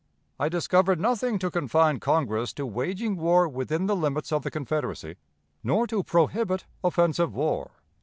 I discover nothing to confine Congress to waging war within the limits of the Confederacy, nor to prohibit offensive war.